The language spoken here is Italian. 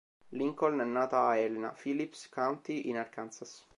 Lincoln è nata a Helena, Phillips County, in Arkansas.